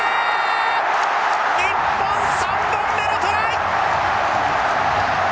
日本３本目のトライ！